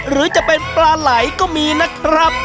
หรือจะเป็นปลาไหล่ก็มีนะครับ